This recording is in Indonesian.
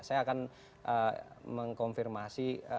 saya akan mengkonfirmasi